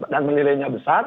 dan nilainya besar